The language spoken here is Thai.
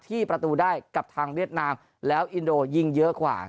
ที่ประตูได้กับทางเวียดนามแล้วอินโดยิงเยอะกว่า